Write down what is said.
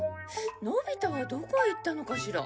のび太はどこへ行ったのかしら？